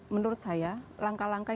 menurut saya langkah langkah yang diambil